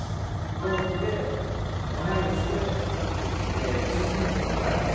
同期で同い年で出身地も岡山で一緒で。